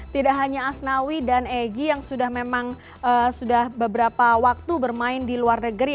tidak hanya asnawi dan egy yang sudah memang sudah beberapa waktu bermain di luar negeri